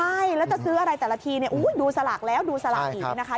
ใช่แล้วจะซื้ออะไรแต่ละทีเนี่ยดูสลากแล้วดูสลากอีกเนี่ยนะคะ